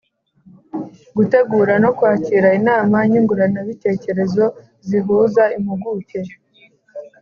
Gutegura no kwakira inama nyunguranabitekerezo zihuza impuguke